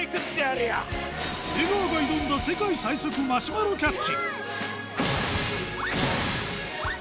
出川が選んだ、世界最速マシュマロキャッチ。